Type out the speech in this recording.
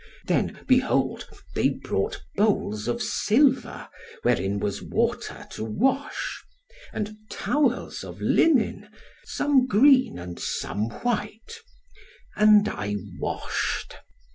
Then, behold, they brought bowls of silver wherein was water to wash; and towels of linen, some green and some white; and I washed.